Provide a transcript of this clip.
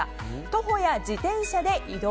徒歩や自転車で移動。